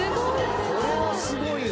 これはすごいわ！